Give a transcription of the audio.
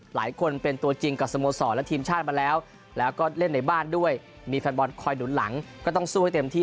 หลายคนเป็นตัวจริงกับสโมสรและทีมชาติมาแล้วแล้วก็เล่นในบ้านด้วยมีแฟนบอลคอยหนุนหลังก็ต้องสู้ให้เต็มที่